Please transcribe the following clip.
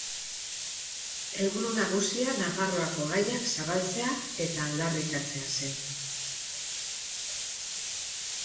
Helburu nagusia Nafarroako gaiak zabaltzea eta aldarrikatzea zen.